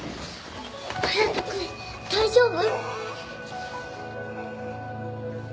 隼人君大丈夫？